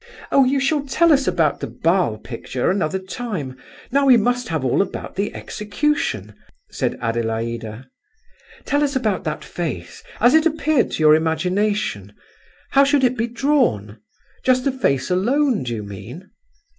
"Oh, you shall tell us about the Basle picture another time; now we must have all about the execution," said Adelaida. "Tell us about that face as it appeared to your imagination—how should it be drawn?—just the face alone, do you mean?"